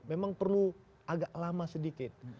memang perlu agak lama sedikit